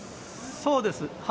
そうです。